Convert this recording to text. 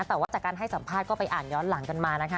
แต่ว่าจากการให้สัมภาษณ์ก็ไปอ่านย้อนหลังกันมานะคะ